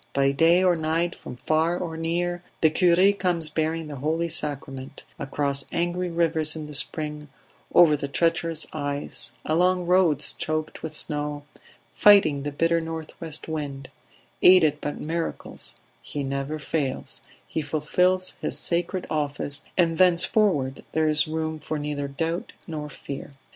By day or night, from far or near, the cure comes bearing the Holy Sacrament across angry rivers in the spring, over the treacherous ice, along roads choked with snow, fighting the bitter north west wind; aided by miracles, he never fails; he fulfils his sacred office, and thenceforward there is room for neither doubt nor fear.